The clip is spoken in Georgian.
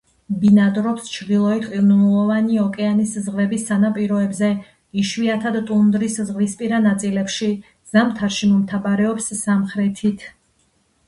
ბინადრობს ჩრდილოეთ ყინულოვანი ოკეანის ზღვების სანაპიროებზე, იშვიათად ტუნდრის ზღვისპირა ნაწილებში; ზამთარში მომთაბარეობს სამხრეთით.